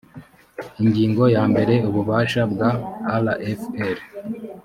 ingingo ya mbere ububasha bwa rfl